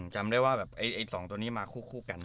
จำได้ว่าไอ้สองตัวนี้มาคู่กัน